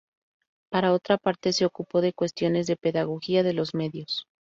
Por otra parte se ocupó de cuestiones de pedagogía de los medios.